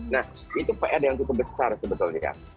nah itu pr yang cukup besar sebetulnya